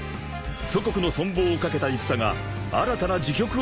［祖国の存亡をかけた戦が新たな時局を迎える］